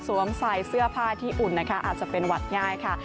ใส่เสื้อผ้าที่อุ่นนะคะอาจจะเป็นหวัดง่ายค่ะ